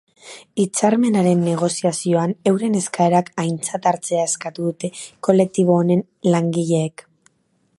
Hitzarmenaren negoziazioan euren eskaerak aintzat hartzea eskatu dute kolektibo honen langileek.